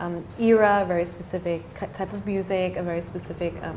musik yang spesifik